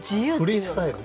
フリースタイル。